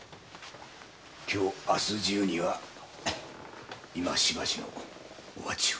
今日明日中には今しばしのお待ちを。